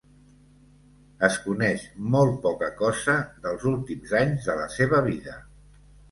Es coneix molt poca cosa dels últims anys de la seva vida.